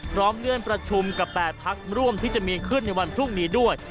เลื่อนประชุมกับ๘พักร่วมที่จะมีขึ้นในวันพรุ่งนี้ด้วย